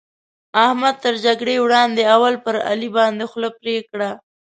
احمد تر جګړې وړاندې؛ اول پر علي باندې خوله پرې کړه.